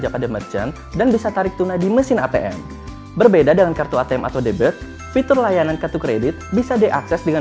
penggunaan atm berbeda dengan kartu atm atau debit fitur layanan kartu kredit bisa diakses dengan